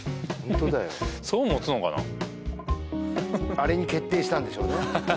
あれに決定したんでしょうね